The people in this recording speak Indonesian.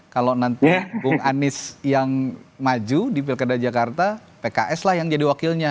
kalau nanti bung anies yang maju di pilkada jakarta pks lah yang jadi wakilnya